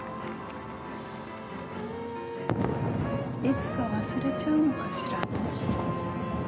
いつか忘れちゃうのかしら。